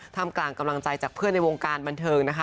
ทำกลางกำลังใจจากเพื่อนในวงการบันเทิงนะคะ